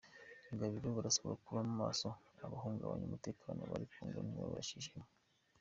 Gabiro Barasabwa kuba maso abahungabanya umutekano muri kongo ntibabinjiremo